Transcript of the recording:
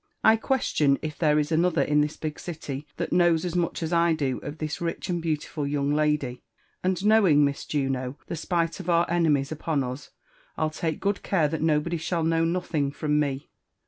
I qaestion if there is another in tiiiH big city that knows as much as I do of this rich and beaatiful young lady ; and knowing, Mis Juno» the spite of our enimyes upon us, I'll tak good care that nobody sliall know nothing from me.